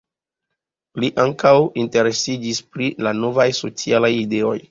Li ankaŭ interesiĝis pri la novaj socialaj ideoj.